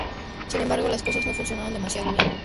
Sin embargo, las cosas no funcionaron demasiado bien.